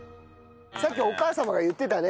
さっきお母様が言ってたね。